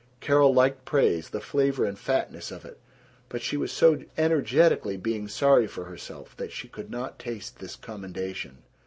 Carol liked praise, the flavor and fatness of it, but she was so energetically being sorry for herself that she could not taste this commendation.